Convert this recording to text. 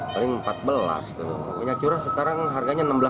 paling empat belas minyak curah sekarang harganya rp enam belas